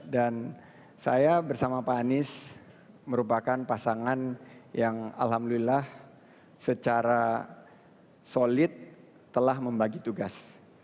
dan saya bersama pak anies merupakan pasangan yang alhamdulillah secara solid telah membagi tugas